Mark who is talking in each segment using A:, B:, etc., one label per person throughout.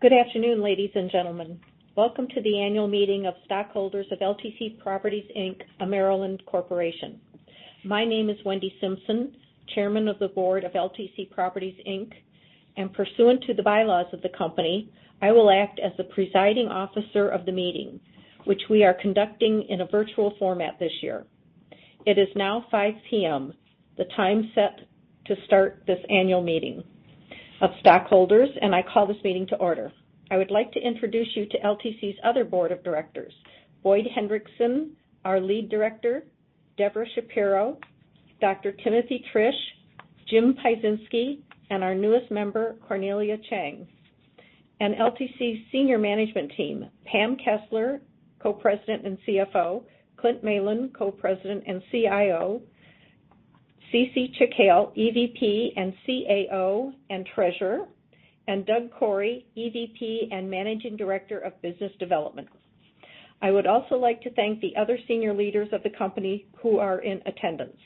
A: Good afternoon, ladies and gentlemen. Welcome to the annual meeting of stockholders of LTC Properties, Inc., a Maryland corporation. My name is Wendy Simpson, Chairman of the Board of LTC Properties, Inc., and pursuant to the bylaws of the company, I will act as the presiding officer of the meeting, which we are conducting in a virtual format this year. It is now 5:00 P.M., the time set to start this annual meeting of stockholders, and I call this meeting to order. I would like to introduce you to LTC's other Board of Directors. Boyd Hendrickson, our Lead Director, Devra Shapiro, Dr. Timothy Triche, Jim Pieczynski, and our newest member, Cornelia Cheng. LTC's Senior Management Team, Pam Kessler, Co-President and CFO, Clint Malin, Co-President and CIO, Cece Chikhale, EVP and CAO and Treasurer, and Doug Korey, EVP and Managing Director of Business Development. I would also like to thank the other senior leaders of the company who are in attendance.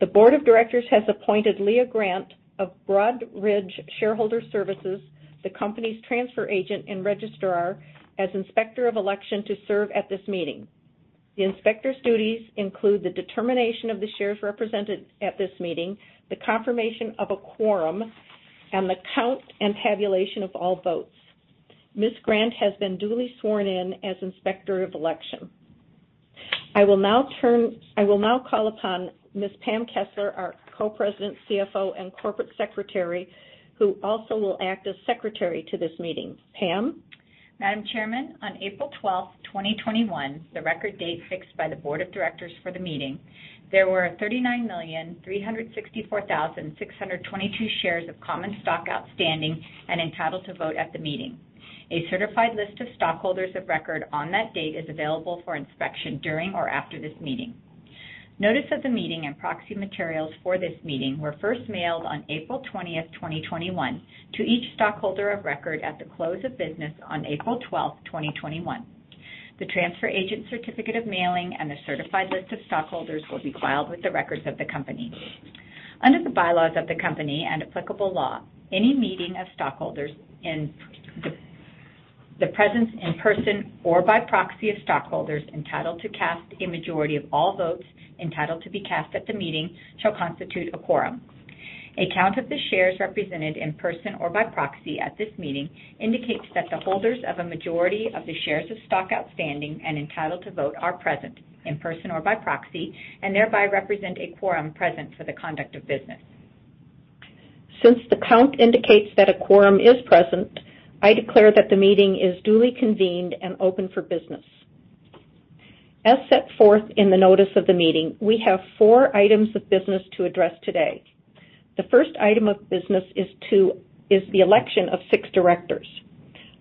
A: The Board of Directors has appointed Leah Grant of Broadridge Shareholder Services, the company's transfer agent and registrar, as Inspector of Election to serve at this meeting. The Inspector's duties include the determination of the shares represented at this meeting, the confirmation of a quorum, and the count and tabulation of all votes. Ms. Grant has been duly sworn in as Inspector of Election. I will now call upon Ms. Pam Kessler, our Co-President, CFO, and Corporate Secretary, who also will act as Secretary to this meeting. Pam?
B: Madam Chairman, on April 12th, 2021, the record date fixed by the board of directors for the meeting, there were 39,364,622 shares of common stock outstanding and entitled to vote at the meeting. A certified list of stockholders of record on that date is available for inspection during or after this meeting. Notice of the meeting and proxy materials for this meeting were first mailed on April 20th, 2021, to each stockholder of record at the close of business on April 12th, 2021. The transfer agent certificate of mailing and a certified list of stockholders will be filed with the records of the company. Under the bylaws of the company and applicable law, any meeting of stockholders and the presence in person or by proxy of stockholders entitled to cast a majority of all votes entitled to be cast at the meeting shall constitute a quorum. A count of the shares represented in person or by proxy at this meeting indicates that the holders of a majority of the shares of stock outstanding and entitled to vote are present in person or by proxy, and thereby represent a quorum present for the conduct of business. Since the count indicates that a quorum is present, I declare that the meeting is duly convened and open for business. As set forth in the notice of the meeting, we have four items of business to address today. The first item of business is the election of six directors.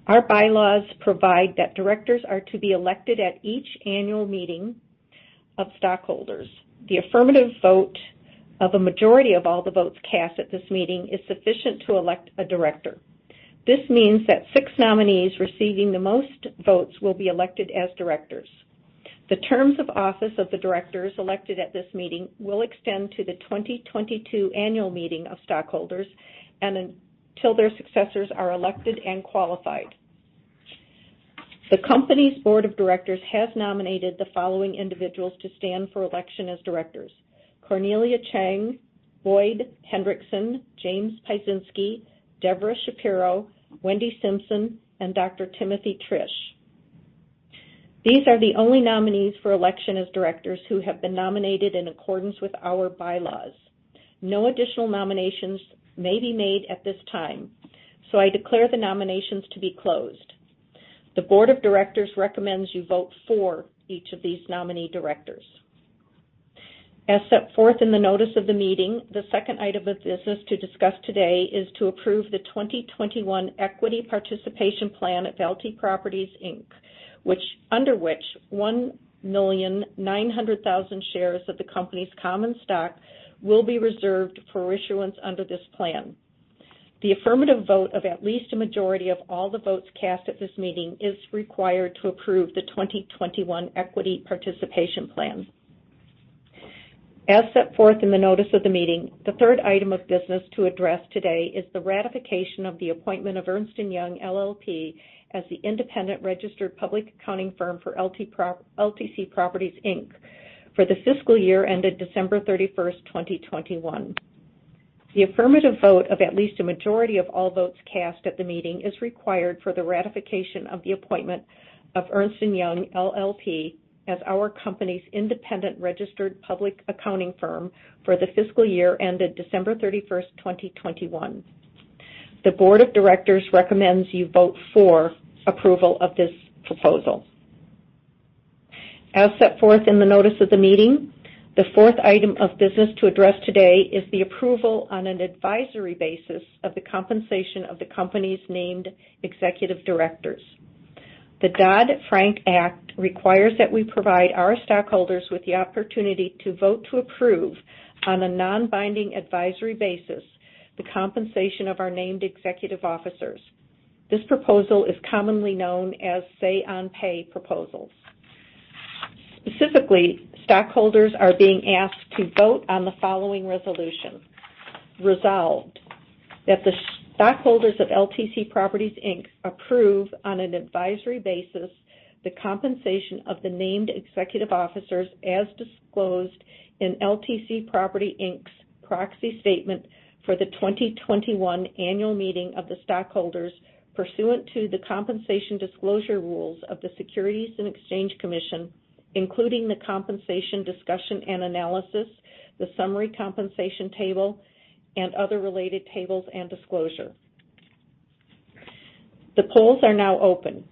B: Our bylaws provide that directors are to be elected at each annual meeting of stockholders. The affirmative vote of a majority of all the votes cast at this meeting is sufficient to elect a director. This means that six nominees receiving the most votes will be elected as directors. The terms of office of the directors elected at this meeting will extend to the 2022 annual meeting of stockholders until their successors are elected and qualified. The company's board of directors has nominated the following individuals to stand for election as directors. Cornelia Cheng, Boyd Hendrickson, James Pieczynski, Deborah Shapiro, Wendy Simpson, and Dr. Timothy Triche. These are the only nominees for election as directors who have been nominated in accordance with our bylaws. No additional nominations may be made at this time. I declare the nominations to be closed. The board of directors recommends you vote for each of these nominee directors. As set forth in the notice of the meeting, the second item of business to discuss today is to approve the 2021 Equity Participation Plan of LTC Properties, Inc., under which 1,900,000 shares of the company's common stock will be reserved for issuance under this plan. The affirmative vote of at least a majority of all the votes cast at this meeting is required to approve the 2021 Equity Participation Plan. As set forth in the notice of the meeting, the third item of business to address today is the ratification of the appointment of Ernst & Young LLP as the independent registered public accounting firm for LTC Properties, Inc. for the fiscal year ended December 31st, 2021. The affirmative vote of at least a majority of all votes cast at the meeting is required for the ratification of the appointment of Ernst & Young LLP as our company's independent registered public accounting firm for the fiscal year ended December 31, 2021. The board of directors recommends you vote for approval of this proposal. As set forth in the notice of the meeting, the fourth item of business to address today is the approval on an advisory basis of the compensation of the company's named executive directors. The Dodd-Frank Act requires that we provide our stockholders with the opportunity to vote to approve, on a non-binding advisory basis, the compensation of our named executive officers. This proposal is commonly known as say on pay proposals. Specifically, stockholders are being asked to vote on the following resolution. Resolved, that the stockholders of LTC Properties, Inc. approve, on an advisory basis, the compensation of the named executive officers as disclosed in LTC Properties, Inc.'s proxy statement for the 2021 annual meeting of the stockholders pursuant to the compensation disclosure rules of the Securities and Exchange Commission, including the compensation discussion and analysis, the summary compensation table, and other related tables and disclosure.
A: The polls are now open.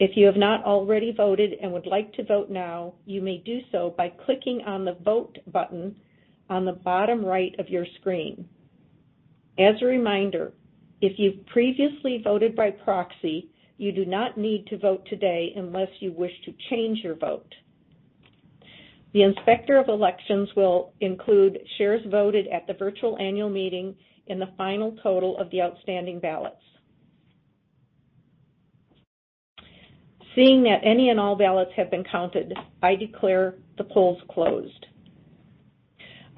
A: If you have not already voted and would like to vote now, you may do so by clicking on the Vote button on the bottom right of your screen. As a reminder, if you've previously voted by proxy, you do not need to vote today unless you wish to change your vote. The Inspector of Election will include shares voted at the virtual annual meeting in the final total of the outstanding ballots. Seeing that any and all ballots have been counted, I declare the polls closed.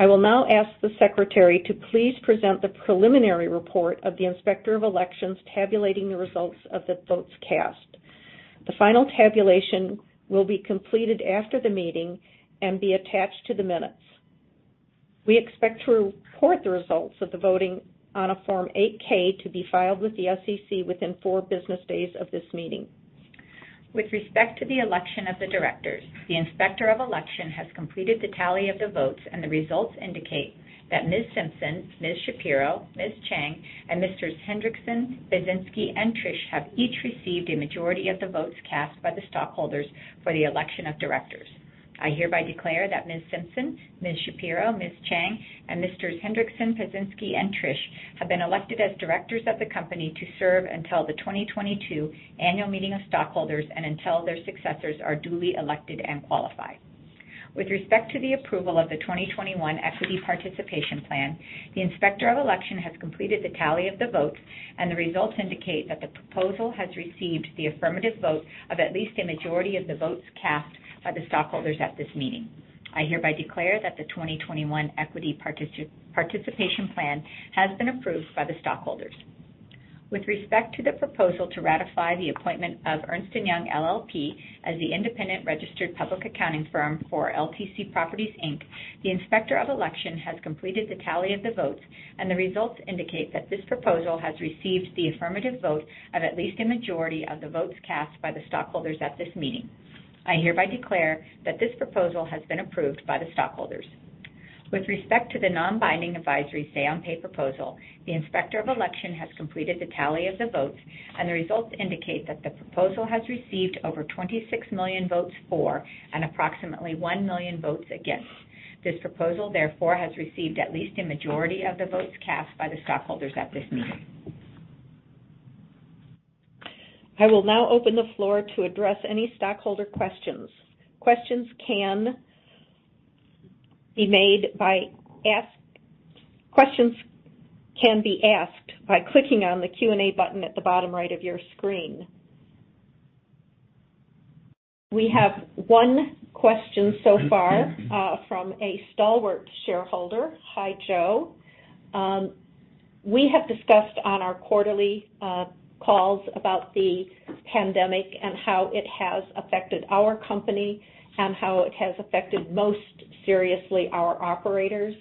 A: I will now ask the Secretary to please present the preliminary report of the Inspector of Election tabulating the results of the votes cast. The final tabulation will be completed after the meeting and be attached to the minutes. We expect to report the results of the voting on a Form 8-K to be filed with the SEC within four business days of this meeting. With respect to the election of the directors, the Inspector of Election has completed the tally of the votes, and the results indicate that Ms. Simpson, Ms. Shapiro, Ms. Cheng, and Messrs. Hendrickson, Pieczynski, and Triche have each received a majority of the votes cast by the stockholders for the election of directors. I hereby declare that Ms. Simpson, Ms. Shapiro, Ms. Cheng, and Messrs. Hendrickson, Pieczynski, and Triche have been elected as directors of the company to serve until the 2022 annual meeting of stockholders and until their successors are duly elected and qualified. With respect to the approval of the 2021 Equity Participation Plan, the Inspector of Election has completed the tally of the votes, and the results indicate that the proposal has received the affirmative vote of at least a majority of the votes cast by the stockholders at this meeting. I hereby declare that the 2021 Equity Participation Plan has been approved by the stockholders. With respect to the proposal to ratify the appointment of Ernst & Young LLP as the independent registered public accounting firm for LTC Properties, Inc., the Inspector of Election has completed the tally of the votes, and the results indicate that this proposal has received the affirmative vote of at least a majority of the votes cast by the stockholders at this meeting. I hereby declare that this proposal has been approved by the stockholders. With respect to the non-binding advisory say on pay proposal, the Inspector of Election has completed the tally of the votes, and the results indicate that the proposal has received over 26 million votes for and approximately 1 million votes against. This proposal, therefore, has received at least a majority of the votes cast by the stockholders at this meeting. I will now open the floor to address any stockholder questions. Questions can be asked by clicking on the Q&A button at the bottom right of your screen. We have one question so far from a stalwart shareholder. Hi, Joe. We have discussed on our quarterly calls about the pandemic and how it has affected our company and how it has affected, most seriously, our operators.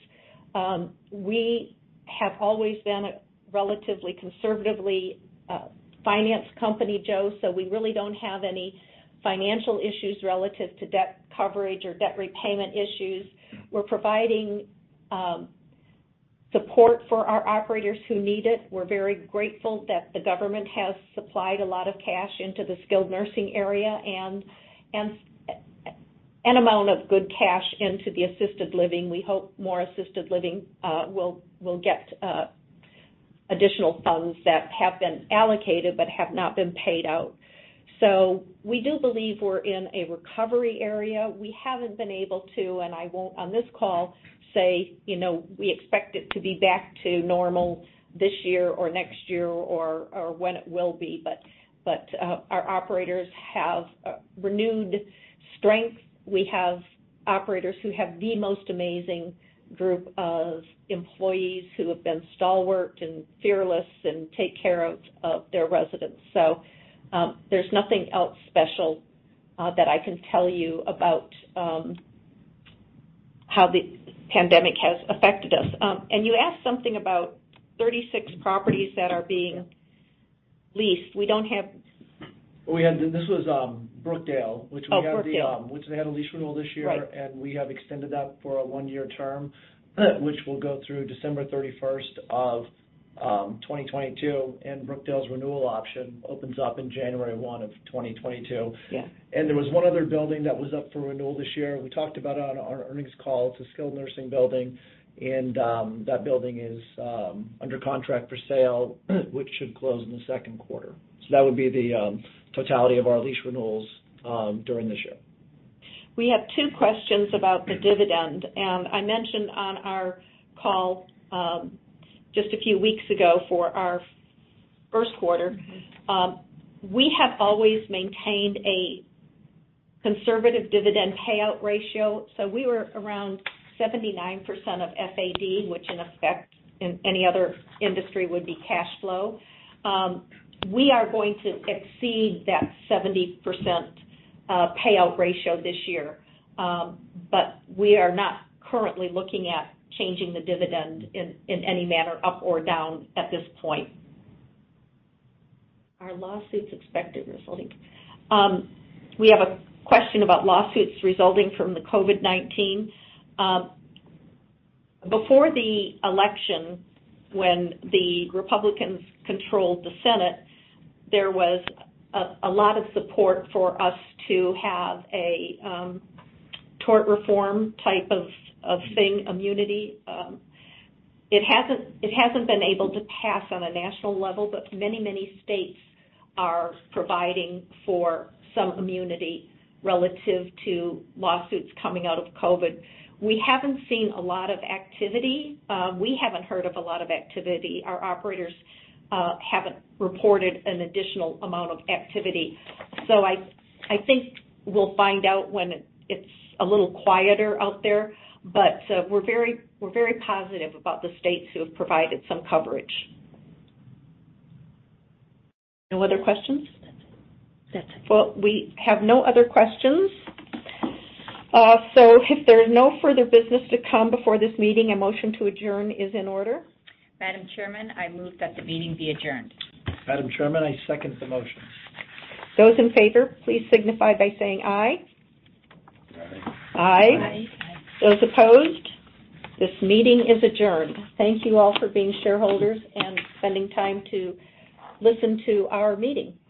A: We have always been a relatively conservatively financed company, Joe, we really don't have any financial issues relative to debt coverage or debt repayment issues. We're providing support for our operators who need it. We're very grateful that the government has supplied a lot of cash into the skilled nursing area and an amount of good cash into the assisted living. We hope more assisted living will get additional funds that have been allocated but have not been paid out. We do believe we're in a recovery area. We haven't been able to, I won't on this call say we expect it to be back to normal this year or next year or when it will be. Our operators have renewed strength. We have operators who have the most amazing group of employees who have been stalwart and fearless and take care of their residents. There's nothing else special that I can tell you about how the pandemic has affected us. You asked something about 36 properties that are being leased.
C: This was Brookdale.
A: Oh, Brookdale.
C: Which we had a lease renewal this year.
A: Right.
C: We have extended that for a one-year term, which will go through December 31st of 2022. Brookdale's renewal option opens up in January 1 of 2022.
A: Yeah.
C: There was one other building that was up for renewal this year. We talked about it on our earnings call. It's a skilled nursing building, and that building is under contract for sale, which should close in the second quarter. That would be the totality of our lease renewals during this year.
A: We have two questions about the dividend. I mentioned on our call just a few weeks ago for our first quarter. We have always maintained a conservative dividend payout ratio. We were around 79% of FAD, which in effect in any other industry would be cash flow. We are going to exceed that 79% payout ratio this year. We are not currently looking at changing the dividend in any manner, up or down, at this point. Are lawsuits expected resulting? We have a question about lawsuits resulting from the COVID-19. Before the election, when the Republicans controlled the Senate, there was a lot of support for us to have a tort reform type of thing, immunity. It hasn't been able to pass on a national level, but many states are providing for some immunity relative to lawsuits coming out of COVID. We haven't seen a lot of activity. We haven't heard of a lot of activity. Our operators haven't reported an additional amount of activity. I think we'll find out when it's a little quieter out there. We're very positive about the states who have provided some coverage. No other questions?
B: Yes.
A: Well, we have no other questions. If there's no further business to come before this meeting, a motion to adjourn is in order.
B: Madam Chairman, I move that the meeting be adjourned.
C: Madam Chairman, I second the motion.
A: Those in favor, please signify by saying aye.
C: Aye.
B: Aye.
A: Those opposed? This meeting is adjourned. Thank you all for being shareholders and spending time to listen to our meeting.